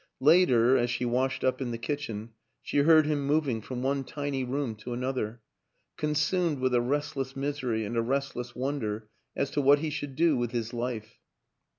Later, as she washed up in the kitchen, she heard him mov ing from one tiny room to another consumed with a restless misery and a restless wonder as to what he should do with his life.